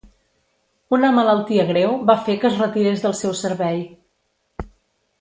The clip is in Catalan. Una malaltia greu va fer que es retirés del seu servei.